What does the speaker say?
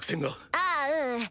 ああうん。